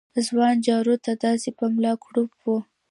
ځوان جارو ته داسې په ملا کړوپ و